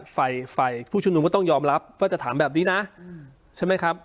ไฟผู้ชุมนุมก็ต้องยอมรับว่าจะถามแบบนี้นะใช่ไหมครับ